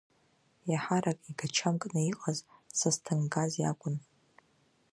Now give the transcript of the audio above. Иаҳарак игачамкны иҟаз Сасҭангаз иакәын.